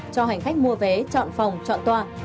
cho hành khách mua vé chọn phòng chọn toa